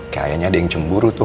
kayaknya ada yang cemburu tuh